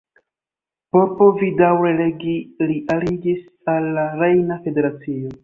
Por povi daŭre regi li aliĝis al la Rejna Federacio.